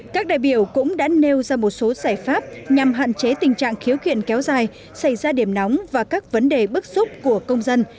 các đại biểu cũng đã nêu ra một số giải pháp nhằm hạn chế tình trạng khiếu kiện kéo dài xảy ra điểm nóng và các vấn đề bức xúc của công dân